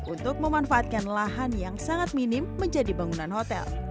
untuk memanfaatkan lahan yang sangat minim menjadi bangunan hotel